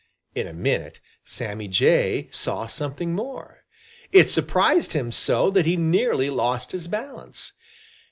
In a minute Sammy Jay saw something more. It surprised him so that he nearly lost his balance.